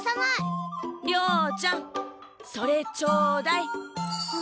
亮ちゃんそれちょうだい。